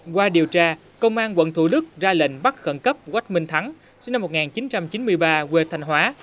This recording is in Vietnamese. qua điều tra công an quận thủ đức ra lệnh bắt khẩn cấp quách minh thắng sinh năm một nghìn chín trăm chín mươi ba quê thanh hóa